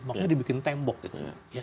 makanya dibikin tembok gitu